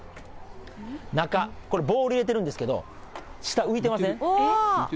中、これボウル入れてるんですけど、下、浮いてません？